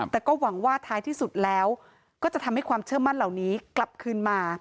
แต่ก็หวังว่าท้ายที่สุดแล้วก็จะทำให้ความเชื่อมั่นเหล่านี้กลับคืนมา